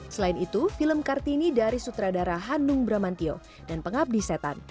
selain itu film kartini dari sutradara hanung bramantio dan pengabdi setan